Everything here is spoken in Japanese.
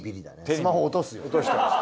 スマホ落とすように。